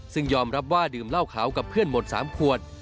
ซึ่งยอมรับว่าดื่มเหล้าขาวกับเพื่อนหมด๓ขวด